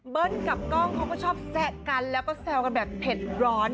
กับกล้องเขาก็ชอบแซะกันแล้วก็แซวกันแบบเผ็ดร้อน